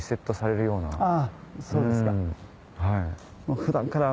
あそうですか。